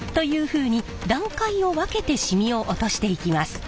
ふうに段階を分けてしみを落としていきます。